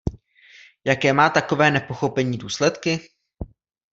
Jaké má takové nepochopení důsledky?